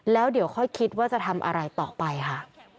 แล้วเดี๋ยวค่อยคิดว่าจะทำอะไรต่อไปค่ะ